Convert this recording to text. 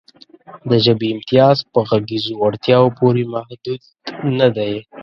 د ژبې امتیاز په غږیزو وړتیاوو پورې محدود نهدی.